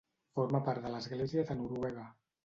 Forma part de l'Església de Noruega.